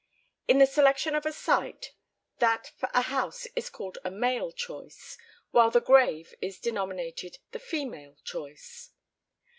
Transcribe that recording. In the selection of a site, that for a house is called a "male" choice, while the grave is denominated the "female" choice.